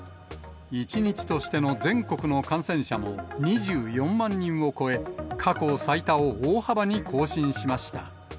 １日としての全国の感染者も、２４万人を超え、過去最多を大幅に更新しました。